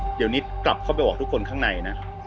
เดี๋ยวนิดกลับเข้าไปบอกทุกคนข้างในนะ